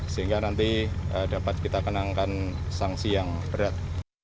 sehingga nanti dapat kita kenakan sanksi yang berat